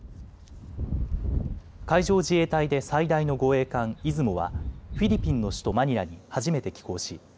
海上自衛隊で最大の護衛艦いずもはフィリピンの首都マニラに初めて寄港し